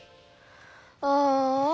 ああ。